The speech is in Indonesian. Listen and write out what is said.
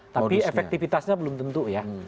tapi efektivitasnya belum tentu ya